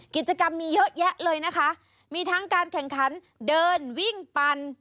กิจกรรมมีเยอะแยะเลยนะคะมีทั้งการแข่งขันเดินวิ่งปั่น